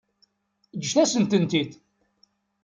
Ǧǧet-asent-tent-id.